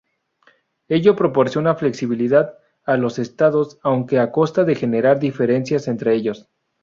Ello proporciona flexibilidad a los Estados aunque a costa de generar diferencias entre ellos.